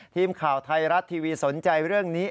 ทีมข่าวไทยรัฐทีวีสนใจเรื่องนี้